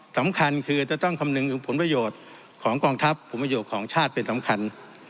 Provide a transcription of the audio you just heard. สำคัญคือจะต้องคำนึงถึงผลประโยชน์ของกองทัพผลประโยชน์ของชาติเป็นสำคัญ